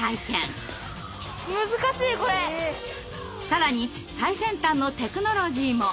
更に最先端のテクノロジーも！